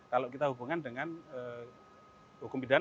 kalau kita hubungkan dengan hukuman